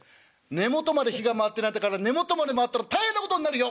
根元まで火が回ってないんだから根元まで回ったら大変なことになるよ！」。